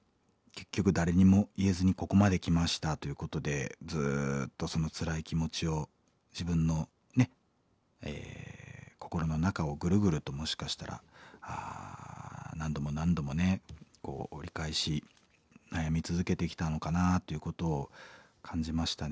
結局誰にも言えずにここまで来ましたということでずっとそのつらい気持ちを自分のね心の中をグルグルともしかしたら何度も何度もねこう折り返し悩み続けてきたのかなということを感じましたね。